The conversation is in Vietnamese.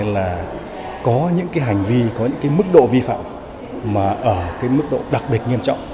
là có những cái hành vi có những cái mức độ vi phạm mà ở cái mức độ đặc biệt nghiêm trọng